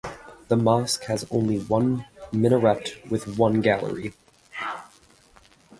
The mosque has only one minaret with one gallery.